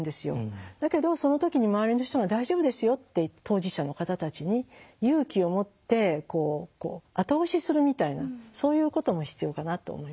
だけどその時に周りの人が「大丈夫ですよ」って当事者の方たちに勇気を持ってこう後押しするみたいなそういうことも必要かなと思いました。